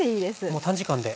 もう短時間で。